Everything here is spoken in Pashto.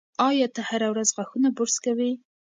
ایا ته هره ورځ غاښونه برس کوې؟